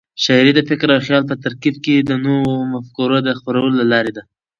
شاعري د فکر او خیال په ترکیب د نوو مفکورو د خپرولو لار ده.